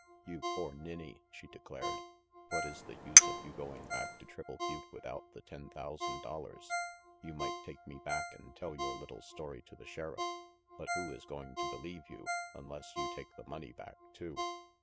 "You poor ninny," she declared. "What is the use of you going back to Triple Butte without the ten thousand dollars? You might take me back and tell your little story to the sheriff, but who is going to believe you, unless you take the money back too?